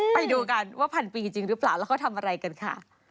ไปดูกันว่าพันปีจริงหรือเปล่าแล้วเขาทำอะไรกันค่ะ